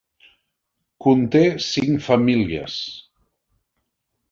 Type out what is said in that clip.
Conté cinc famílies.